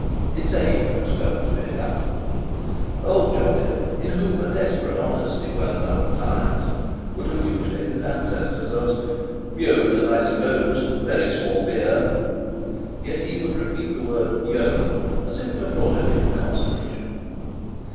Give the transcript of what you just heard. Its age was felt to be a comfort. Old Jolyon, in whom a desperate honesty welled up at times, would allude to his ancestors as: "Yeomen—I suppose very small beer." Yet he would repeat the word "yeomen" as if it afforded him consolation.